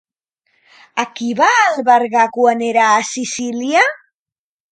A qui va albergar quan era a Sicília?